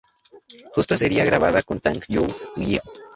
Justo sería grabada con Thank You Girl.